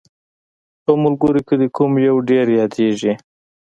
په ملګرو کې دې کوم یو ډېر یادیږي؟